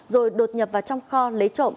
rồi đột nhập vào trong kho lấy trộm